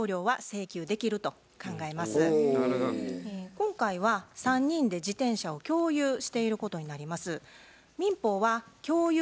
今回は３人で自転車を共有していることになります。